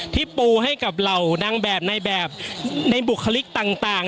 ปูให้กับเหล่านางแบบในแบบในบุคลิกต่าง